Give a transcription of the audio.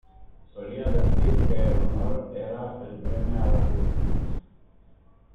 Solía decir que el honor era el premio a la virtud.